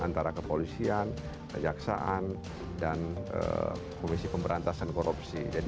antara kepolisian kejaksaan dan komisi pemberantasan korupsi